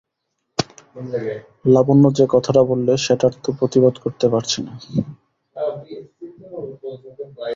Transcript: লাবণ্য যে কথাটা বললে সেটার তো প্রতিবাদ করতে পারছি নে।